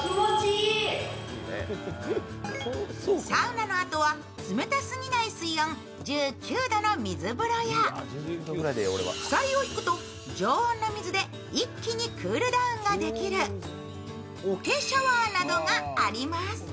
サウナのあとは冷たすぎない水温、１９度の水風呂や、鎖を引くと常温の水で一気にクールダウンができる桶シャワーなどがあります。